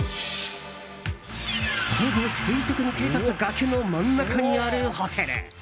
ほぼ垂直に切り立つ崖の真ん中にあるホテル。